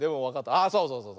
あっそうそうそう。